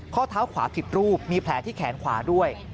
ข้อเท้าขวาผิดรูปมีแผลที่แขนขวาด้วย